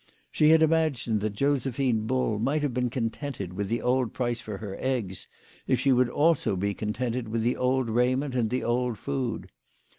She had imagined that Josephine Bull might have been contented with the old price for her eggs if she would also be contented with the old raiment and the old food.